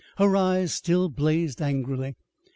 Her eyes still blazed angrily.